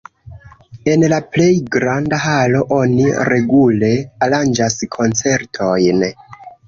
En la plej granda halo oni regule aranĝas koncertojn.